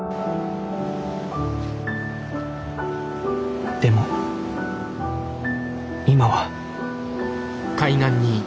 心の声でも今は。